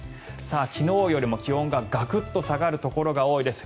昨日よりも気温がガクッと下がるところが多いです。